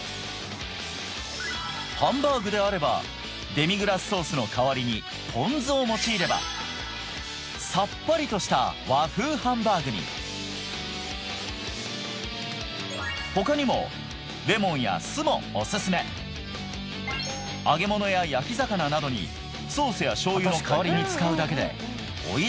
ハンバーグであればデミグラスソースの代わりにポン酢を用いればさっぱりとした和風ハンバーグに他にもレモンや酢もおすすめ揚げ物や焼き魚などにえっ！